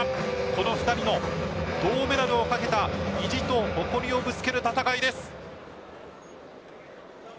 この２人の銅メダルをかけた意地と誇りをぶつける戦いです。